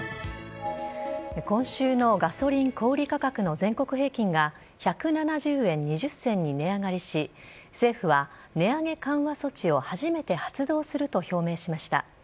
今週のガソリン小売り価格の全国平均が、１７０円２０銭に値上がりし、政府は値上げ緩和措置を初めて発動すると表明しました。